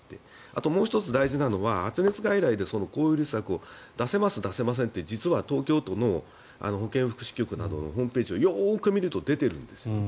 あともう１つ大事なのは発熱外来で抗ウイルス薬を出せます、出せませんって実は東京都の保健福祉局などのホームページをよく見ると出てるんですよね。